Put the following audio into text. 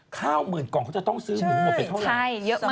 ข้าวหมื่นกล่องเขาจะต้องซื้อหมูหมดไปเท่าไหร่